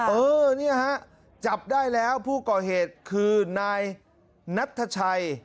เออเนี่ยฮะจับได้แล้วผู้ก่อเหตุคือนายนัทชัย